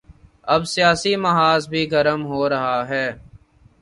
اب سیاسی محاذ بھی گرم ہو رہا ہے۔